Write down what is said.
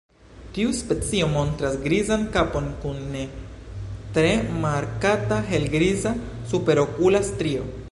Tiu specio montras grizan kapon kun ne tre markata helgriza superokula strio.